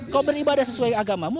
kau beribadah sesuai agamamu